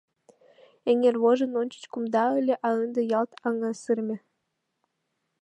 Эҥер вожын ончыч кумда ыле, а ынде ялт аҥысыреме.